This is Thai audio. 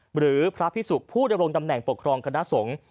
หรือพระพิสุผู้ดำรงตำแหน่งปกครองคณะสงฆ์